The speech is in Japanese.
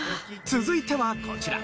続いてはこちら。